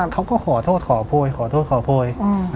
เขาก็ขอโทษขอโพยขอโทษขอโพย